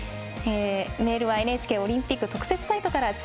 メールはＮＨＫオリンピック特設サイトから。